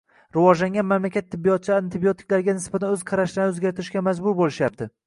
rivojlangan mamlakat tibbiyotchilari antibiotiklarga nisbatan o‘z qarashlarini o‘zgartirishga majbur bo‘lishyapti.